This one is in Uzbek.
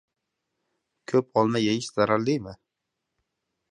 Ko‘p olma yeyish zararlimi?